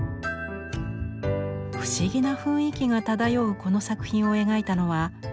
不思議な雰囲気が漂うこの作品を描いたのは初山滋。